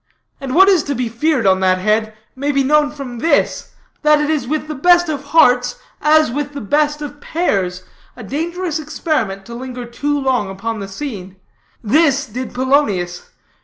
And what is to be feared on that head, may be known from this: that it is with the best of hearts as with the best of pears a dangerous experiment to linger too long upon the scene. This did Polonius.